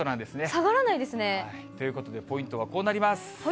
下がらないですね。ということで、ポイントはこうなります。